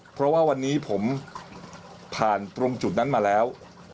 เพราะว่าวันนี้ผมผ่านตรงจุดนั้นมาแล้ว